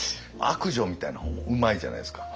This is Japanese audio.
悪女みたいな方もうまいじゃないですか。